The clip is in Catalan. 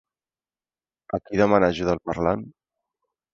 A qui demana ajuda el parlant?